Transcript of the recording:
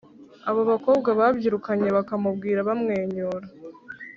abo bakobwa babyirukanye bakamubwira bamwenyura